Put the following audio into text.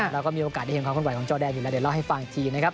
เราก็มีโอกาสได้เห็นความขึ้นไหวของจอแดนอยู่แล้วเดี๋ยวเล่าให้ฟังอีกทีนะครับ